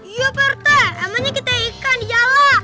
iya prt emangnya kita ikan dijalo